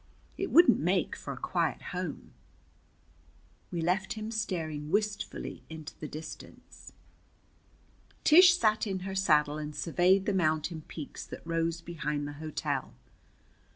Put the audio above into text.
It wouldn't make for a quiet home." We left him staring wistfully into the distance. Tish sat in her saddle and surveyed the mountain peaks that rose behind the hotel.